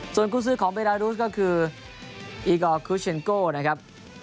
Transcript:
ส่วนคุ้นซื้อของเบรียรูสก็คืออีกอลคุชเช็นโก้นะครับ